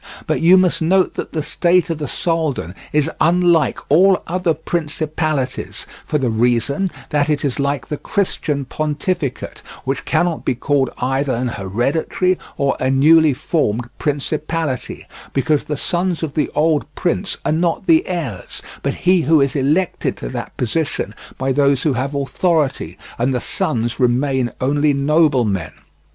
But you must note that the state of the Soldan is unlike all other principalities, for the reason that it is like the Christian pontificate, which cannot be called either an hereditary or a newly formed principality; because the sons of the old prince are not the heirs, but he who is elected to that position by those who have authority, and the sons remain only noblemen.